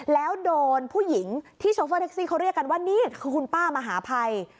แล้วโดนผู้หญิงที่โชเฟอร์แท็กซี่เขาเรียกกันว่านี่คือคุณป้ามหาภัย